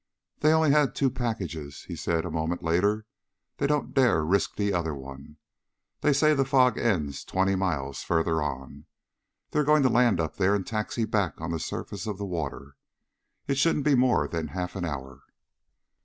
"They only had two packages," he said a moment later. "They don't dare risk the other one. They say the fog ends twenty miles farther on. They're going to land up there and taxi back on the surface of the water. It shouldn't be more than half an hour."